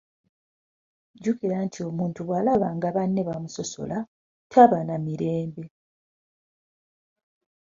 Jjukira nti omuntu bw’alaba nga banne bamusosola, taba na mirembe.